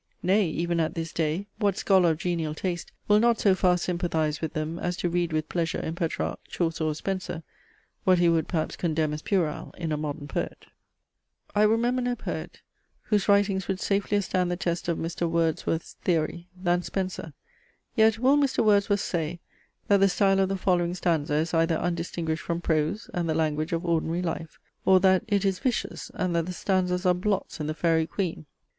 Nay, even at this day what scholar of genial taste will not so far sympathize with them, as to read with pleasure in Petrarch, Chaucer, or Spenser, what he would perhaps condemn as puerile in a modern poet? I remember no poet, whose writings would safelier stand the test of Mr. Wordsworth's theory, than Spenser. Yet will Mr. Wordsworth say, that the style of the following stanza is either undistinguished from prose, and the language of ordinary life? Or that it is vicious, and that the stanzas are blots in THE FAERY QUEEN?